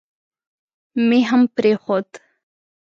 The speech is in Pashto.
مې هم پرېښود.